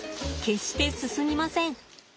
決して進みません。